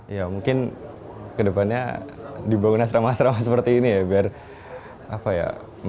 ya mungkin kedepannya dibangun asrama asrama seperti ini ya biar apa ya